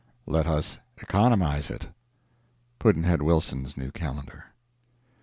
Let us economize it. Pudd'nhead Wilson's New Calendar.